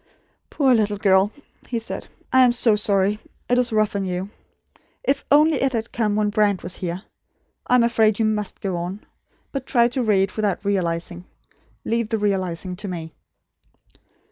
"Poor little girl," he said, "I am so sorry. It is rough on you. If only it had come when Brand was here! I am afraid you MUST go on; but try to read without realising. Leave the realising to me."